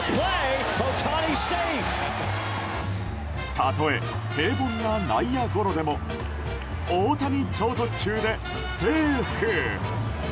たとえ平凡な内野ゴロでも大谷超特急で、セーフ！